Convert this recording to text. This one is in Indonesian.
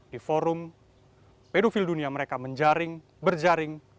di forum pedofil dunia mereka menjaring berjaring